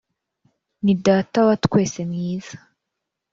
Ni data wa twese mwiza